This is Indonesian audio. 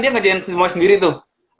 dia ngerjain semua sendiri tuh